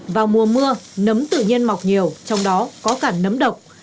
vào mùa mưa nấm tự nhiên mọc nhiều trong đó có cả nấm độc